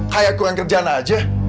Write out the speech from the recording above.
kayak kurang kerjana aja